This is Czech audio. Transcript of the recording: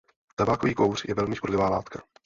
Tabákový kouř je velmi škodlivá látka.